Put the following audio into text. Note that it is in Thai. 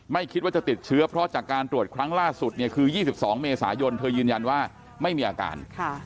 ไม่คิดว่าจะติดเชื้อเพราะจากการตรวจครั้งล่าสุดเนี่ยคือ๒๒เมษายนเธอยืนยันว่าไม่มีอาการ